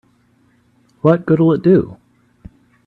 What good'll it do?